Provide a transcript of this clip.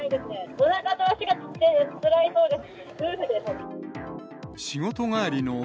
おなかと足がつって、つらいそうです。